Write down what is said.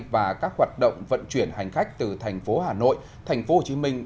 và các hoạt động vận chuyển hành khách từ thành phố hà nội thành phố hồ chí minh